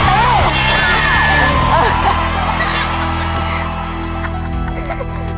ต้นไม้ประจำจังหวัดระยองการครับ